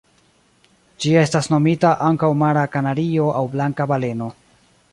Ĝi estas nomita ankaŭ Mara kanario aŭ Blanka baleno.